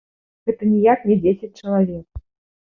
Гэта ніяк не дзесяць чалавек.